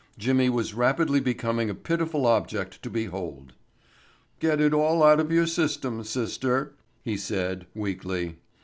Jimmy was rapidly becoming a pitiful object to behold. "Get it all out of your system, sister," he said, weakly.